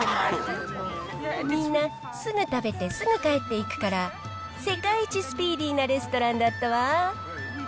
みんなすぐ食べて、すぐ帰っていくから、世界一スピーディーなレストランだったわ。